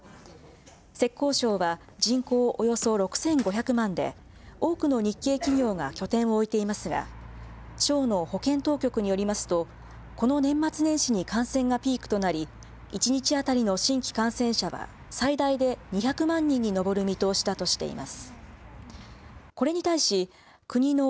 浙江省は、人口およそ６５００万で、多くの日系企業が拠点を置いていますが、省の保健当局によりますと、この年末年始に感染がピークとなり、１日当たりの新規感染者は、最大で２００万人に上る見通しだとしています。